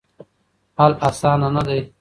حل اسانه نه دی.